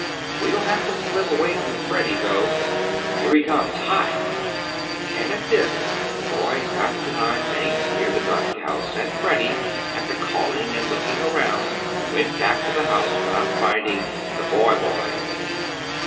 We'll have to slip away from Freddie, though. Here he comes. Hide!" and at this the boys got behind things near the donkey house, and Freddie, after calling and looking around, went back to the house without finding the "boy boys."